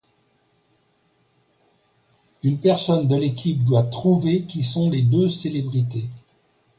Une personne de l'équipe doit trouver qui sont les deux célébrités.